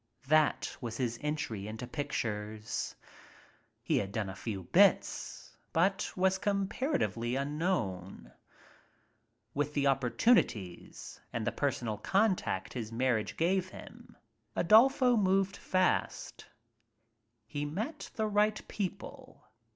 That was his entry into pictures. He had done a few bits but was comparatively unknown. "With the opportunities and the personal con tact his marriage gave him, Adolfo moved fast. He met the right people.